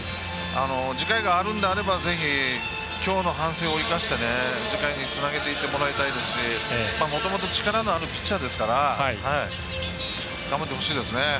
次回があるのであれば、ぜひきょうの反省を生かして次回につなげていってもらいたいですしもともと力のあるピッチャーですから頑張ってほしいですね。